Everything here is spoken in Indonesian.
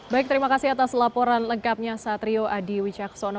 baik terima kasih atas laporan lengkapnya satrio adi wicaksono